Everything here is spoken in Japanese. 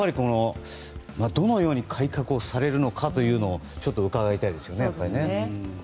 どのように改革をされるのかというのを伺いたいですよね。